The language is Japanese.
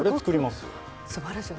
すばらしい。